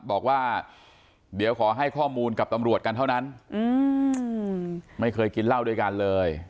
บอกว่าเดี๋ยวขอให้ข้อมูลกับตำรวจกันเท่านั้นไม่เคยกินเหล้าด้วยกันเลย